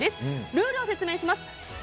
ルールを説明します。